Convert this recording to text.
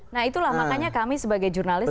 nah itulah makanya kami sebagai jurnalis